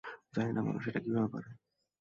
জানি না মানুষ এটা কিভাবে পরে।